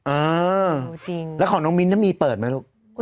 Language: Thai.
เออแล้วของน้องมินต้องมีเปิดไหมลูก